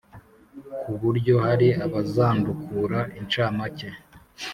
ku buryo hari abazandukura incamake